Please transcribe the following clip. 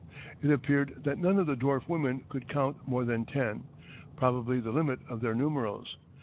It appeared that none of the dwarf women could count more than ten, probably the limit of their numerals.